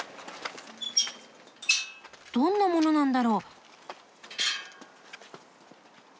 どんなものなんだろう？